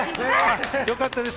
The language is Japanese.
よかったです。